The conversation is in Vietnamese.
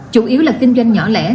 chủ yếu là kinh doanh nhỏ lẻ